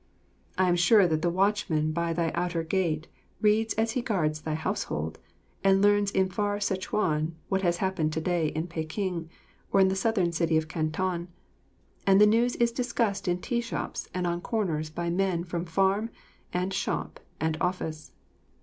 I am sure that the watchman by thy outer gate reads as he guards thy household, and learns in far Sezchuan what has happened to day in Peking, or the Southern city of Canton, and the news is discussed in the tea shops and on corners by men from farm and shop and office.